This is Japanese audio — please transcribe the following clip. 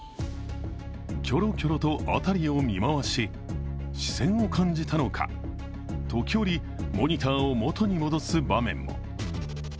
キョロキョロと辺りを見回し視線を感じたのか時折モニターに元に戻す場面も。